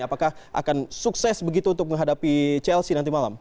apakah akan sukses begitu untuk menghadapi chelsea nanti malam